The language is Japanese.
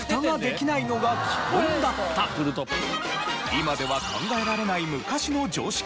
今では考えられない昔の常識。